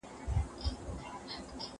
هغه څوک چي سبزېجات خوري قوي وي!؟